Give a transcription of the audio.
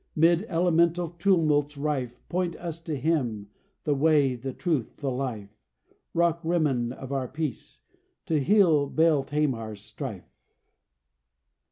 Mid elemental tumults rife Point us to Him, the Way, the Truth, the Life, Rock Rimmon of our peace, to heal Baal tamar's strife.